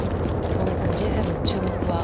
小栗さん、Ｇ７注目は？